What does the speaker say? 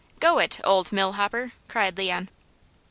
"Go it, old mill hopper!" cried Leon.